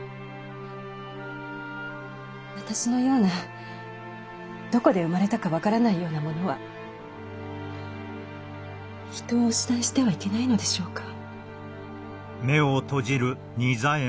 私のようなどこで生まれたか分からないような者は人をお慕いしてはいけないのでしょうか？